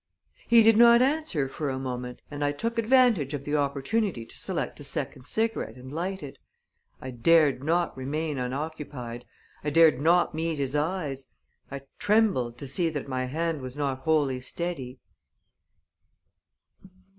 He did not answer for a moment, and I took advantage of the opportunity to select a second cigarette and light it. I dared not remain unoccupied; I dared not meet his eyes; I trembled to see that my hand was not wholly steady.